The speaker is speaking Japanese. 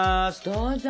どうぞ！